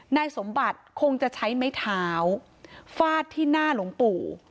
นายสมบัติคงจะใช้ไม้เท้าฟาดที่หน้าหลวงปู่